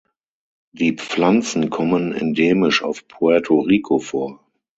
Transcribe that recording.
Die Pflanzen kommen endemisch auf Puerto Rico vor.